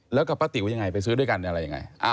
แล้วกับป้าติ๋วยังไงไปซื้อด้วยกันอะไรยังไง